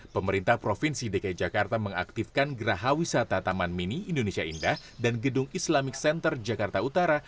pemerintah provinsi dki jakarta mengaktifkan geraha wisata taman mini indonesia indah dan gedung islamic center jakarta utara